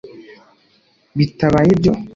bitabaye ibyo